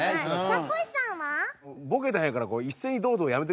ザコシさんは？